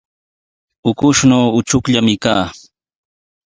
Ukushnaw uchukllami kaa.